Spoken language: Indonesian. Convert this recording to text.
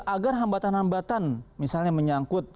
agar hambatan hambatan misalnya menyangkut